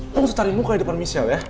lo harus tari muka di depan michelle ya